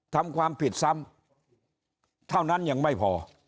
ทำความผิดซ้ำเท่านั้นยังไม่พอ